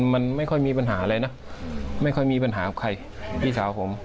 มันไม่ค่อยมีปัญหาอะไรนะไม่ค่อยมีปัญหากับใครพี่สาวผม